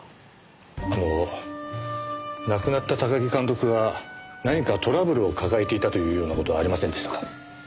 あの亡くなった高木監督が何かトラブルを抱えていたというような事はありませんでしたか？